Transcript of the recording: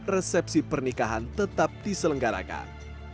resepsi pernikahan tetap diselenggarakan